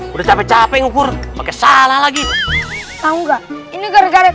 udah capek capek ngukur pakai salah lagi tahu enggak ini gara gara